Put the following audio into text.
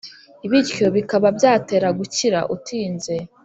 bityo bikaba byatera gukira utinze.